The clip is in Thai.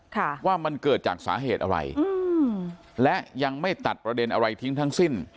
ค่ะว่ามันเกิดจากสาเหตุอะไรอืมและยังไม่ตัดประเด็นอะไรทิ้งทั้งสิ้น